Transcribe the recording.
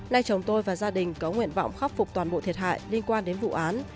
nay chồng tôi và gia đình có nguyện vọng khắc phục toàn bộ thiệt hại liên quan đến vụ án